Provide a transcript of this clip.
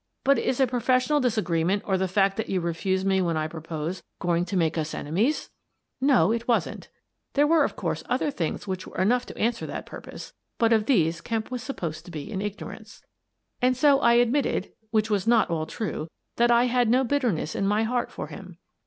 But is a professional disagree ment, or the fact that you refuse me when I pro pose, going to make us enemies? " No, it wasn't. There were, of course, other things which were enough to answer that purpose, but of these Kemp was supposed to be in ignorance, r 184 Miss Frances Baird, Detective and so I admitted — what was not all true — that I had no bitterness in my heart for him.